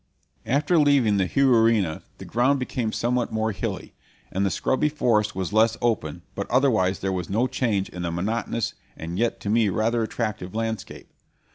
After leaving the Juruena the ground became somewhat more hilly, and the scrubby forest was less open, but otherwise there was no change in the monotonous, and yet to me rather attractive, landscape.